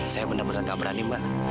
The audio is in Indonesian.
saya benar benar gak berani mbak